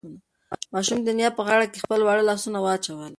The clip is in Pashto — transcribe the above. ماشوم د نیا په غاړه کې خپل واړه لاسونه واچول.